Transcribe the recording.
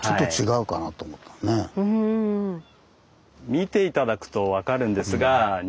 見て頂くと分かるんですがなるほど。